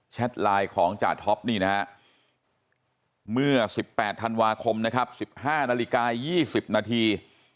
แชตไลน์ของจาท็อปนี่นะเมื่อ๑๘ธันวาคม๑๕นาฬิกา๒๐นาที